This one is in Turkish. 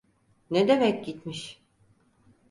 Ne demek gitmiş?